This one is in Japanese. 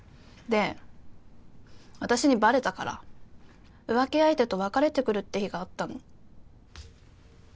で私にバレたから浮気相手と別れてくるって日があったの。